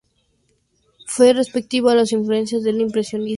Fue receptivo a las influencias del impresionismo y el simbolismo.